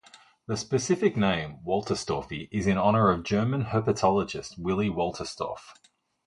The specific name, "wolterstorffi", is in honor of German herpetologist Willy Wolterstorff.